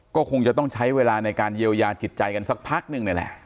ก็คงจะต้องใช้เวลาในการเยียวยาจิตใจกันสักพักนึงนี่แหละ